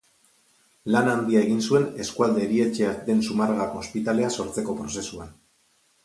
Lan handia egin zuen eskualde-erietxea den Zumarragako Ospitalea sortzeko prozesuan.